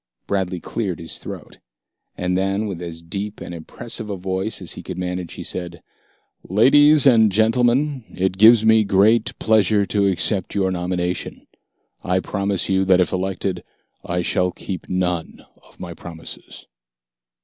Bradley cleared his throat. And then, with as deep and impressive a voice as he could manage, he said, "Ladies and gentlemen, it gives me great pleasure to accept your nomination. I promise you that if elected I shall keep none of my promises."